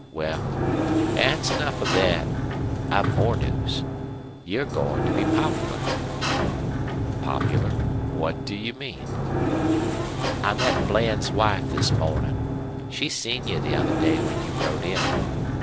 Wal, thet's enough of thet. I've more news. You're goin' to be popular." "Popular? What do you mean?" "I met Bland's wife this mornin'. She seen you the other day when you rode in.